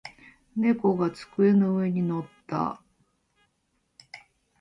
猫が机の上に乗った。